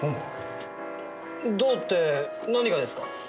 どうって何がですか？